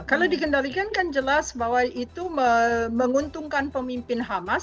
kalau dikendalikan kan jelas bahwa itu menguntungkan pemimpin hamas